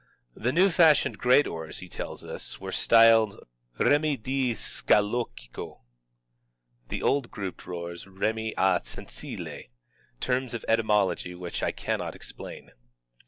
The new fashioned great oars, he tells us, were styled Remi di Scaloccio, the old grouped oars Remi a Zenzile, — terms the etymology of which I cannot explain.